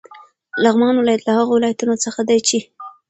لغمان ولایت له هغو ولایتونو څخه دی چې: